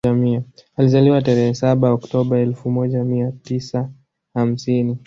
Alizaliwa tarehe saba Octoba elfu moja mia tisa hamsini